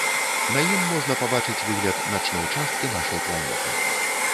На ім можна пабачыць выгляд начной часткі нашай планеты.